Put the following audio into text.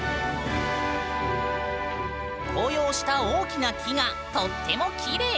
紅葉した大きな木がとってもきれい！